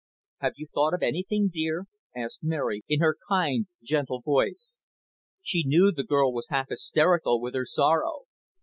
"Have you thought of anything, dear?" asked Mary in her kind, gentle voice. She knew the girl was half hysterical with her sorrow.